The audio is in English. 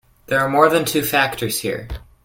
There are more than two factors here.